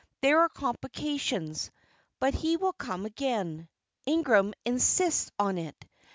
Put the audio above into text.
There are complications; but he will come again. Ingram insists on it.